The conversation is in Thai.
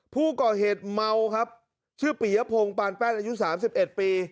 ผู้ก่อเหตุเมาครับชื่อปียพงศ์ปานแป้นอายุ๓๑ปี